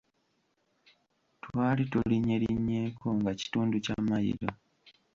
Twali tulinnyerinnyeeko nga kitundu kya mailo.